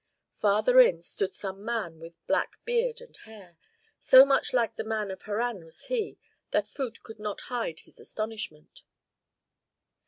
Farther in stood some man with black beard and hair; so much like the man of Harran was he, that Phut could not hide his astonishment.